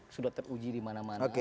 sudah teruji di mana mana